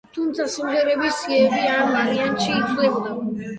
თუმცა, სიმღერების სიები ამ ვარიანტში იცვლებოდა.